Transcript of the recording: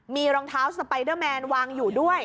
มีรองเท้าสไปเดอร์แมนวางอยู่ด้วย